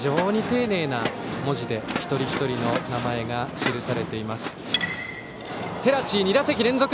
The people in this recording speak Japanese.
非常に丁寧な文字で一人一人の名前が記されています。